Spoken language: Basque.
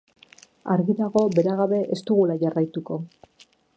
Argi dago bera gabe ez dugula jarraituko.